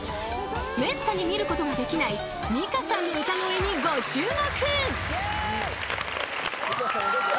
［めったに見ることができない美香さんの歌声にご注目］